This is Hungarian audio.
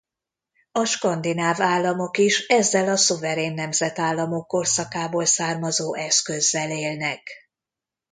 A skandináv államok is ezzel a szuverén nemzetállamok korszakából származó eszközzel élnek.